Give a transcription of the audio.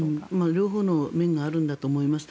両方の面があるんだと思います。